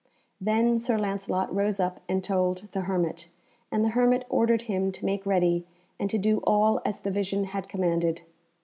Then Sir Lancelot rose up and told the hermit, and the hermit ordered him to make ready and to do all as the vision had commanded.